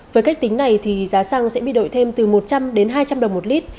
với cách tính này thì giá xăng sẽ bị đội thêm từ một trăm linh đến hai trăm linh đồng một lít